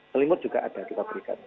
selimut juga ada kita berikan